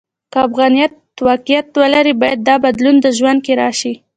که افغانیت واقعیت ولري، باید دا بدلون د ژوند کې راشي.